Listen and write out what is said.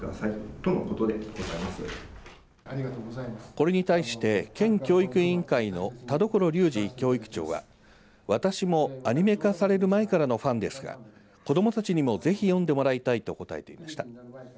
これに対して県教育委員会の田所竜二教育長は私もアニメ化される前からのファンですが子どもたちにもぜひ読んでもらいたいと答えていました。